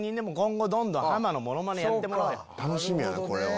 楽しみやなこれは。